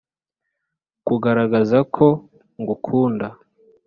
kugaragaza ko ngukunda.